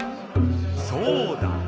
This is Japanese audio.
そうだ。